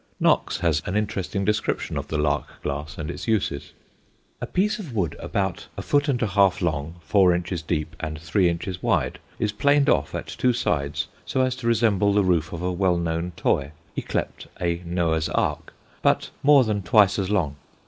Knox has an interesting description of the lark glass and its uses: "A piece of wood about a foot and a half long, four inches deep, and three inches wide, is planed off on two sides so as to resemble the roof of a well known toy, yclept a Noah's ark, but, more than twice as long.